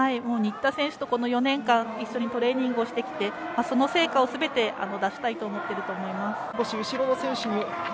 新田選手と４年間トレーニングをしてきてその成果をすべて出したいと思っていると思います。